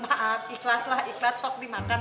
maaf ikhlas lah ikhlas sok dimakan